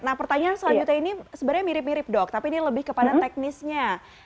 nah pertanyaan selanjutnya ini sebenarnya mirip mirip dok tapi ini lebih kepada teknisnya